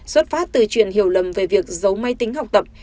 xuất phát từ chuyện hiểu lầm về việc giấu máy tính học tập